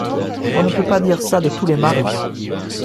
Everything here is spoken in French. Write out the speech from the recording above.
On ne peut pas dire ça de tous les maris.